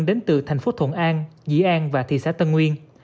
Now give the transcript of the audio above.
đến từ thành phố thuận an dĩ an và thị xã tân nguyên